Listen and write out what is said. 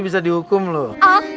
bisa dihukum loh